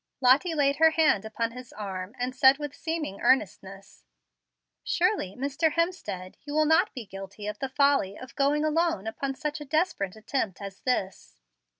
Lottie laid her hand upon his arm, and said with seeming earnestness, "Surely, Mr. Hemstead, you will not be guilty of the folly of going alone upon such a desperate attempt as this?"